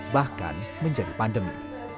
bahkan menjadi pandemi